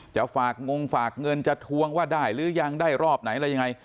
จะฝากงงฝากเงินจะทวงว่าได้หรือยังได้รอบไหนอะไรยังไง